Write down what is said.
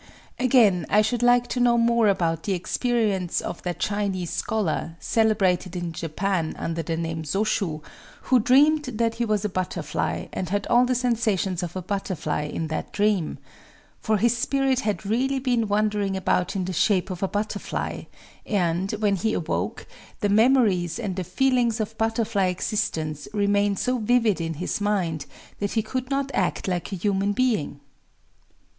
Again, I should like to know more about the experience of that Chinese scholar, celebrated in Japan under the name Sōshū, who dreamed that he was a butterfly, and had all the sensations of a butterfly in that dream. For his spirit had really been wandering about in the shape of a butterfly; and, when he awoke, the memories and the feelings of butterfly existence remained so vivid in his mind that he could not act like a human being...